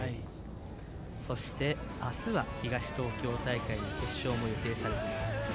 そして、明日は東東京大会の決勝も予定されています。